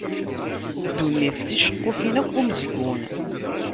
Dunnit d ticeqqufin akk n umezgun.